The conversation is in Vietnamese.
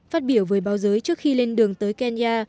phát biểu với báo giới trước khi lên đường tới kenya